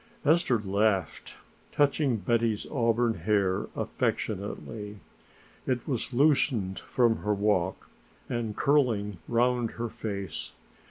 Esther laughed, touching Betty's auburn hair affectionately. It was loosened from her walk and curling round her face.